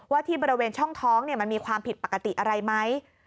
ที่บริเวณช่องท้องมันมีความผิดปกติอะไรไหม